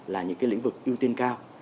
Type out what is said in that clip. là những lĩnh vực ưu tiên cao